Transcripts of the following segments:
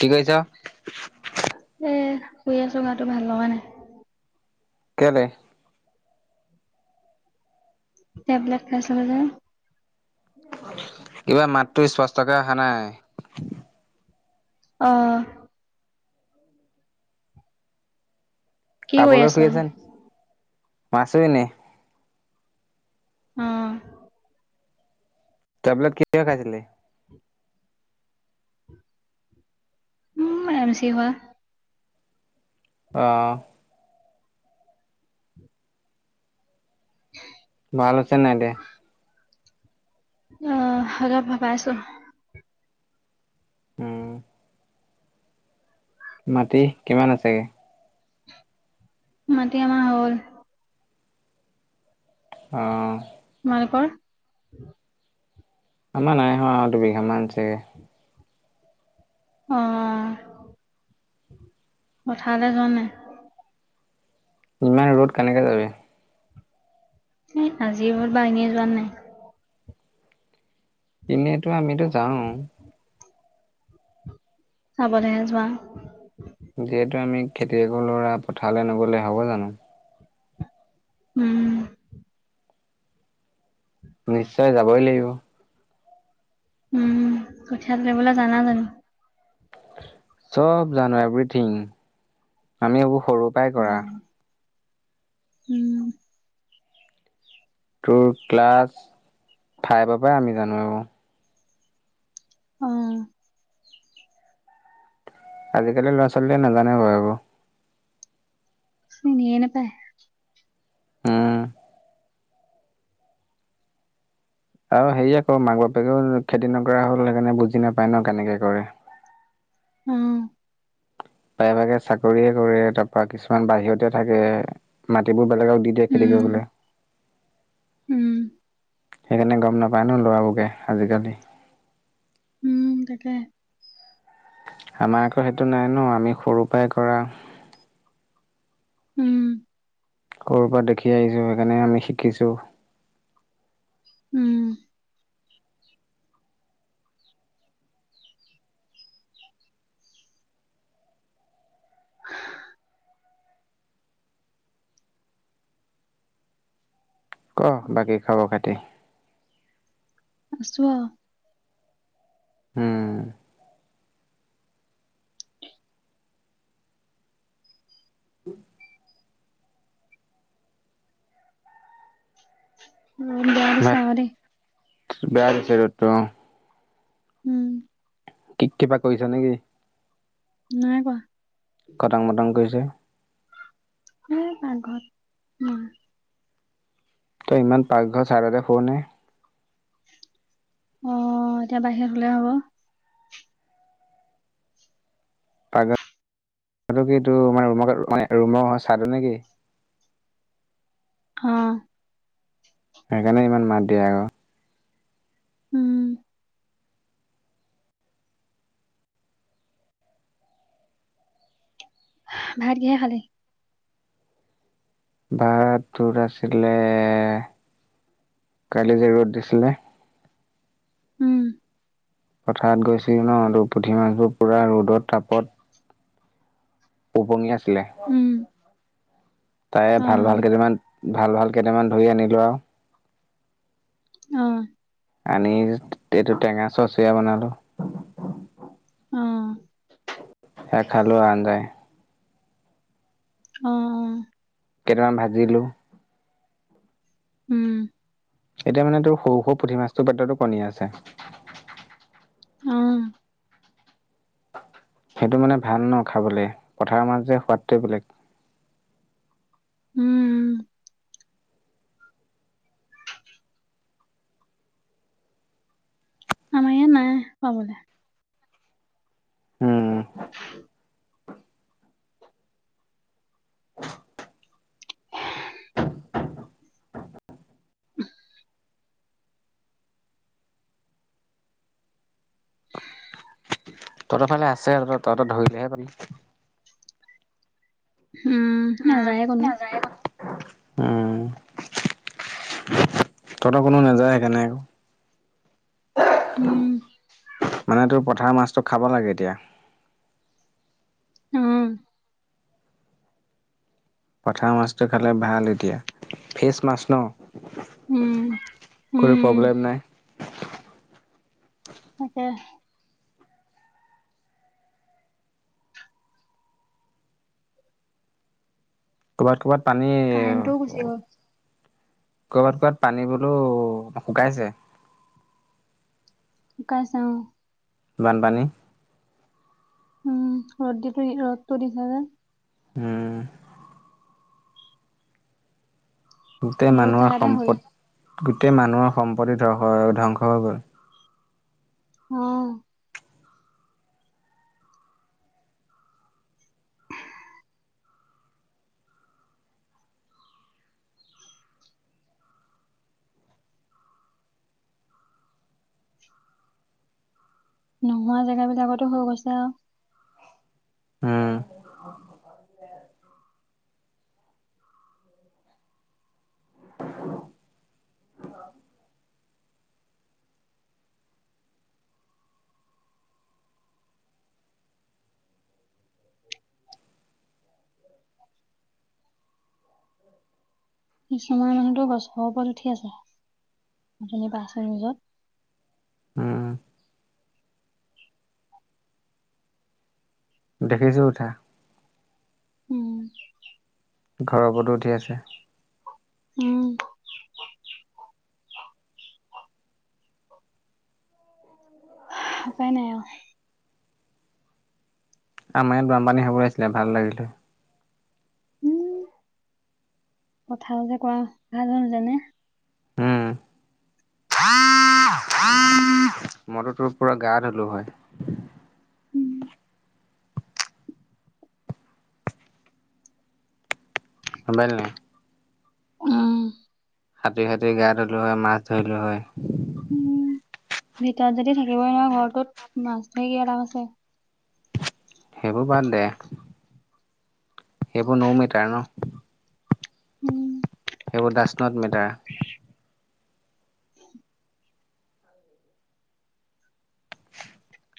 কি কৈছ? এ শুই আছোঁ গাটো ভাল লগা নাই। কেলে। টেবলেট খাইছিলোঁ যে। কিবা মাতটো স্পষ্টকে অহা নাই। অ'। কি কৰি কাবলে আছ শুই আছা নি, আছো এনেই। অ'। টেবলেট কেতিয়া খাইছিলি? উম এম চি হোৱা। অ'। [inaudible] ভাল হৈছে নাই এতিয়া। [inaudible] অ' অলপ ভাল পাইছোঁ। উম। মাটি কিমান আছেগে? মাটি আমাৰ হল। অ'। তোমালোকৰ? আমাৰ নাই হোৱা আৰু দুবিঘামান আছে গে। অ' পথাৰলে যোৱা নাই? ইমান ৰ'দ কেনেকে যাবি। এই আজি ৰ'দ বাৰু, এনে যোৱা নাই? এনেইতো আমিতো যাওঁ। চাবলে হে যোৱা। যিহেতু আমি খেতিয়কৰ ল'ৰা পথাৰলে নগলে হ'ব জানো। উম। নিশ্চয় যাবই লাগিব। উম কঠিয়া তুলিবলে জানা জানো? চব জানো এভৰিথিং, আমি এইবোৰ সৰুৰ পৰাই কৰা। উম উম। তোৰ ক্লাছ ফাইভৰ পৰাই আমি জানো আৰু। অ'। আজিকালি ল'ৰা- ছোৱালীয়ে নাজানে বাৰু এইবোৰ। চিনিয়ে নাপাই। উম। আৰু সেই অক মাক বাপেকেও খেতি নকৰা হ'ল সেইকাৰণে বুজি নাপায় ন' কেনেকে কৰে। উম। প্ৰায় ভাগে চাকৰিয়ে কৰে তাৰ পৰা কিছুমান বাহিৰতে থাকে মাটিবোৰ বেলেগক দি দিয়ে খেতি উম কৰিবলে। উম। সেইকাৰণে গম নাপায় ন ল'ৰাবোকে আজিকালি। উম, তাকে। আমাৰ আকৌ সেইটো নাই ন, আমি সৰু পৰাই কৰা। উম। সৰুৰ পৰা দেখি আহিছোঁ, সেইকাৰণে আমি শিকিছোঁ। উম। [unintelligible] ক, বাকী খবৰ খাতি। আছোঁ। উম। কি। উম, বেয়া দিছে ভাত আও দে। বেয়া দিছে ৰদটো অহ। উম। কি কিবা কৰিছা নে নেকি? নাই কৰা। কটং, মটং কৰিছে। হে পাঘৰত। উম। তই ইমান পাকঘৰ চাইডতে শুৱ নে। অহ এতিয়া বাহিৰত শুলে হ'ব। সেইটো কি এইটো মানে ৰুম ৰুমৰ চাইডত নে নেকি। অহ। সেইকাৰণে ইমান মাত দিয়ে আও। উম। ভাত কিহে খালি? ভাত তোৰ আছিলে, কালি যে ৰ'দ দিছিলে। উম। পথাৰত গৈছিল ন, ত পুঠি মাছবোৰ পুৰা ৰ'দত তাপত। উপঙি আছিলে। উম, তাৰে ভাল ভাল অ', কেইটামান ভাল ভাল কেইটামান ধৰি আনিলোঁ আও। অহ। আনি এইটো টেঙা চচীয়া বনালো। অহ। সেয়াই খালোঁ অঞ্জাই। অহ। কেইটামান ভাজিলোঁ। উম। এতিয়া মানে তোৰ সৰু সৰু পুঠি মাছটো পেটতো কণী আছে। অহ। সেইটো মানে ভাল ন, খাবলে পথাৰৰ মাছ যে, সোৱাদটোৱে বেলেগ। উম। আমাৰ ইয়াত নাই পাবলে। উম। উহ। তহঁতৰ ফালে আছে, তহঁতৰ ধৰিলেহে পাবি। উম। উম, নাযায়ে কোনো নাযায় ন, উম। তহঁতৰ কোনো নাযায় সেইকাৰণে নাই আকৌ। উম, মানে তোৰ পথাৰ মাছতটো খাব লাগে এতিয়া। উম। পঠাৰ মাছটো খালে ভাল এতিয়া ফ্ৰেচ মাছ ন'। উম, কোনো উম, প্ৰব্লেম নাই। তাকে। ক'বাত ক'বাত পানী কাৰেণ্টটোও গুচি গ'ল ক'বাত ক'বাত পানী বোলো শুকাইছে। শুকাইছে অ'। বানপানী উম ৰ'দ ৰ'দটো দিছে যে। উম'। গোটেই বহুত মানুহৰ জেগাতে হ'ল সম্পত গোটেই মানুহৰ সম্পত্তি ধ্বংস ধ্বংস হৈ গ'ল। অ'। [inaudible] নোহোৱা জেগা বিলাকতো হৈ গৈছে আৰু হম। [inaudible] কিছুমান মানুহতো গছৰ ওপৰত উঠি আছে যেনিবা আছে নিউজত। উম দেখিছোঁ উঠা। উম। ঘৰৰ উপৰত উঠি আছে। উম। উপাই নাই আৰু। আমাৰ ইয়াত বানপানী হব লাগিছিলে ভাল লাগিলে হয়। উম', কথা ও যে কোৱা ভাল হ জানে। উম। মই তো তোৰ পোৰা গা ধুলো হয়। উম। গমপালি নাই। উম। সাঁতুৰি সাঁতুৰি গা ধুলোঁ হয় মাছ ধৰিলোঁ হয়। উম', ভিতৰত যদি থাকিবই নোৱাৰ ঘৰটোত মাছ ধৰি কিবা লাভ আছে? সেইবোৰ বাদ দে। সেইবোৰ ন মিটাৰ ন। উম সেইবোৰ দাচ নত মেটাৰ। [inaudible]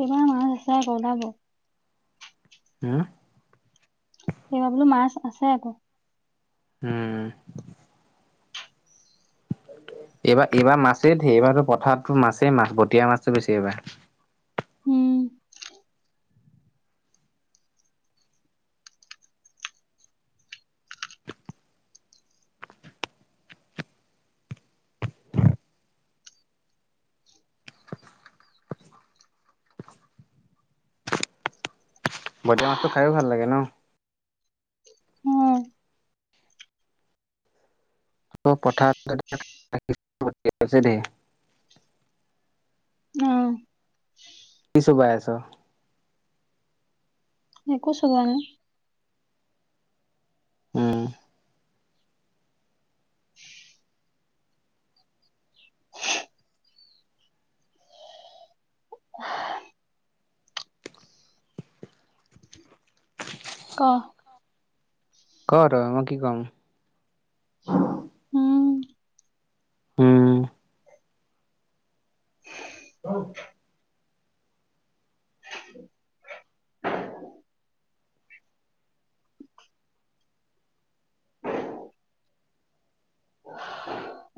কিমাৰ মাছ আছে আক ওলাব। হা? এইবাৰ বোলো মাছ আছে আকৌ। উম। এইবাৰ এইবাৰ মাছে ধেৰ এইবাৰো পথাৰতো মাছেই মাছ বতিয়া মাছটো বেছি এইবাৰ। উম বটিয়া মাছটো খায়ো ভাল লাগে ন'। উম ত পথাৰত [unintelligible] দেই উম কি চোবাই আছ? একো চুবোৱা নাই। উম। ক'। ক' তই মই কি কম? উম উম। ঔ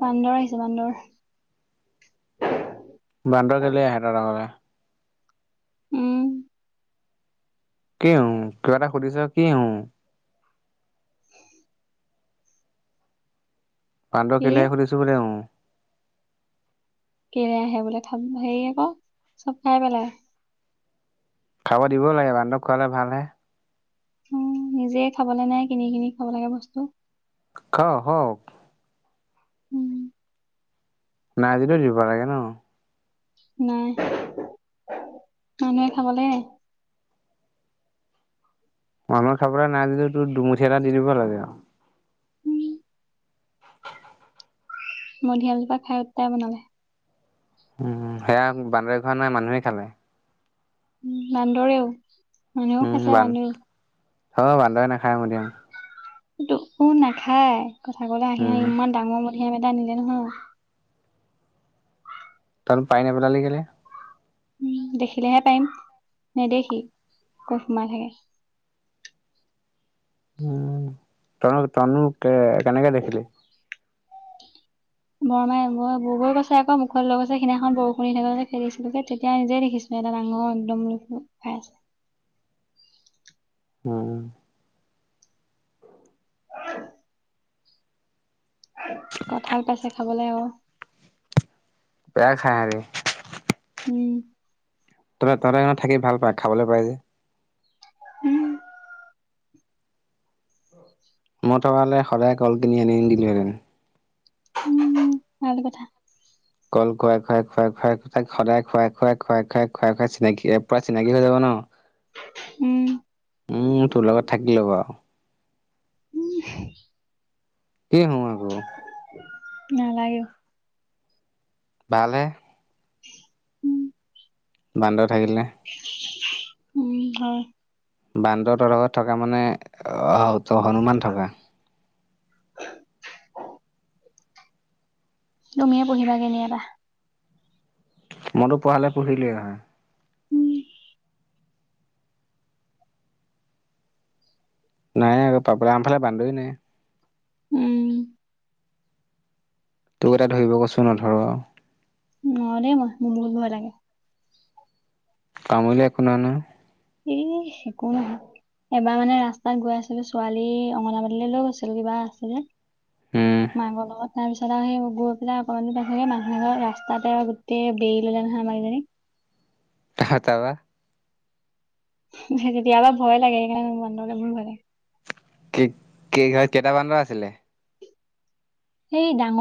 বান্দৰ আহিছে বান্দৰ। বান্দৰ কেলে আহে তহঁতৰ ঘৰলে? উম। কি উ কিবা এটা সুধিছো কি উ? বান্দৰ কি কেলে আহে সুধিছো বোলে উ। কেলে আহে বোলে খাম হেৰি আকৌ চব খাই পেলাই। খাব দিবও লাগে বান্দক খোৱালে ভালহে। উ নিজে খাবলে নাই কিনি কিনি খাব লাগে বস্তু। খা হ উম। নাই যদিও দিব লাগে ন। নাই মানুহে খাবলে মানুহে খাবলে নাই যদি তোৰ দুমুঠি এটা দি দিব লাগে আও। উম, মধুৰীয়াম জোপা খাই উতাই বনালে। উম সেয়া বান্দৰ খোৱা নাই মানুহে খালে। উম বান্দৰেও। মানুহেও উম খাইছে বান বান্দৰেও। অ', বান্দেৰে নাখায় মধুৰিয়াম। তোকো নাখায় কথা কলে আহি উম আহি ইমান ডাঙৰ মধুৰীয়াম এটা নিলে নহয়। তহঁতে পায়ি নেপেলালি কেলে? উম দেখিলেহে পাৰিম নেদেখি কত সোমাই থাকে। উ তহঁত তহঁতেনো কে কেনেকে দেখিলি? বৰমাই মই বগৰী এটা খাই এটাই মুখত লৈ গৈছে সেইদিনাখন বৰষুণ দি থকা দিনা খেদিছিলো তেতিয়া নিজে দেখিছো। এটা ডাঙৰ একদম বুলি খাই আছে। উম। হেইচ কঁঠাল পাইছে খাবলে আৰু। বেয়া খায় আহেগে উম। তত তহঁত সেয়াত থাকি ভাল পায় খাবলে পায় যে। উম। মই থকা হলে সদায় কল কিনি আনি দিলো হেতেন। উম ভাল কথা। কল খুৱাই খুৱাই খুৱাই খুৱাই তাক সদায় খুৱাই খুৱাই খুৱাই খুৱাই খুৱাই খুৱাই চিনাকি এ পুৰা চিনাকি হৈ যাব ন উম। উম তোৰ লগত থাকি লব আওঔ। উম। কি‌ [unintelligible] নেলাগে। ভালহে। উম। বান্দৰ থাকিলে। উম হয়। বান্দৰ তহঁতৰ ঘৰত থকা মানে হনুমান থকা। [inaudible] তুমিয়ে পোহিবাগে নি এটা। মইতো পোহা হ'লে পুহিলোৱে হয়। নাই আকৌ পাবলে, আমাফালে বান্দৰেই নাই। উম তোক এটা ধৰিব কৈছো নধৰ। নোৱাৰোঁ দেই মই, মোৰ বুলো ভয় লাগে। কামূৰিলে একো নহয় নহয় ইস, একো নহয় এবাৰ মানে ৰাস্তাত গৈ আছিলো, ছোৱালী অংগনাবাদীলৈ লৈ গৈছিলো, কিবা আছিলে উম মাক বাপেকৰ‌ তাৰ পিছত আৰু সেই [unintelligible] সেই মানুহ ঘৰৰ ৰাস্তাতে গোটেই বেৰি ললে নহয় আমাৰ দুজনীক তা, তাৰপা? সেই তেতিয়াপা ভয় লাগে, সেইকাৰণে মোৰ বান্দৰলৈ ভয় লাগে। কি কেইঘৰ, কেইটা বান্দৰ আছিলে? সেই ডাঙৰ